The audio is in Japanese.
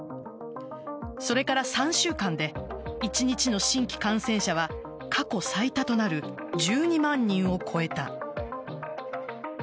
それから３週間で１日の新規感染者は過去最多となる１２万人を超えた。